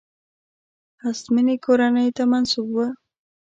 هستمنې کورنۍ ته منسوب وو.